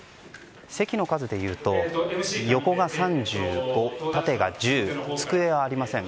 席の数でいうと横が３５、縦が１０机はありません。